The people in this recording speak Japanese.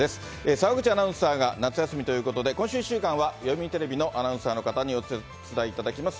澤口アナウンサーが夏休みということで、今週１週間は、読売テレビのアナウンサーの方にお手伝いいただきます。